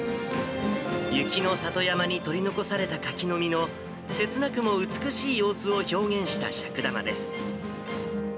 雪の里山に取り残された柿の実の、切なくも美しい様子を表現した尺玉です。